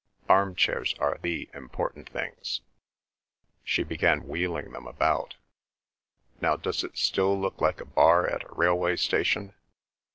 Arm chairs are the important things—" She began wheeling them about. "Now, does it still look like a bar at a railway station?"